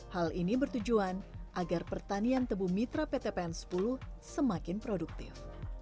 hal ini bertujuan agar pertanian tebu mitra pt pn sepuluh semakin produktif